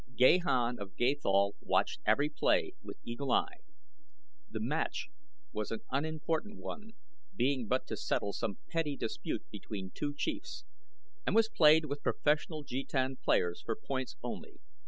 Gahan of Gathol watched every play with eagle eye. The match was an unimportant one, being but to settle some petty dispute between two chiefs, and was played with professional jetan players for points only.